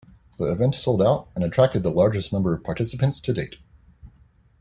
The event sold out and attracted the largest number of participants to date.